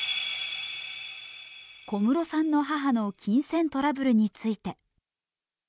小室さんの母の金銭トラブルについて。